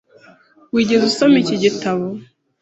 Wigeze usoma iki gitabo?